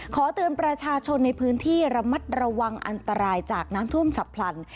ขอเตือนประชาชนในพื้นที่ระมัดระวังอันตรายจากน้ำท่วมฉับพลัน